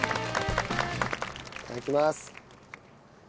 いただきます。